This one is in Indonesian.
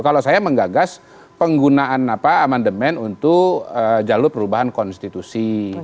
kalau saya menggagas penggunaan amandemen untuk jalur perubahan konstitusi